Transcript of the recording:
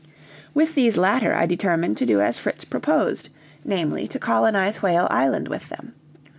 With these latter I determined to do as Fritz proposed, namely, to colonize Whale Island with them.